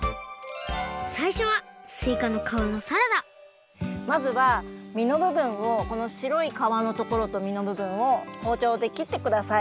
さいしょはまずはみのぶぶんをこのしろい皮のところとみのぶぶんをほうちょうできってください。